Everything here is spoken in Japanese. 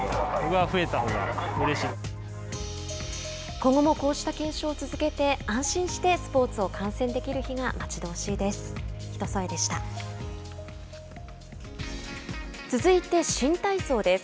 今後もこうした検証を続けて安心してスポーツ観戦をできる日が待ち遠しいです。